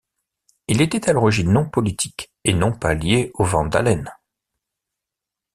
Il était à l'origine non politique et non pas lié aux Vandalen.